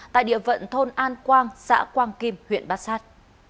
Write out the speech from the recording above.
tại địa phận thôn an quang xã quang kim huyện bát sát